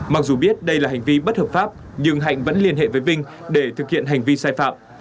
mặc dù biết đây là hành vi bất hợp pháp nhưng hạnh vẫn liên hệ với vinh để thực hiện hành vi sai phạm